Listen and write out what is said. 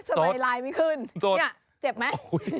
สดทำไมไลน์ไม่ขึ้นเจ็บไหม